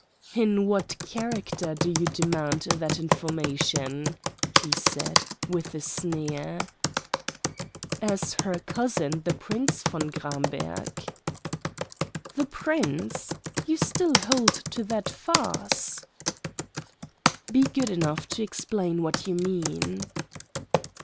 "In what character do you demand that information?" he said, with a sneer. "As her cousin, the Prince von Gramberg." "The Prince. You still hold to that farce?" "Be good enough to explain what you mean."